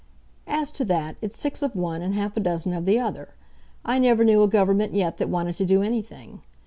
"As to that, it's six of one and half a dozen of the other. I never knew a government yet that wanted to do anything.